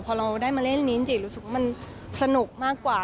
พอเราได้มาเล่นลินจิรู้สึกว่ามันสนุกมากกว่า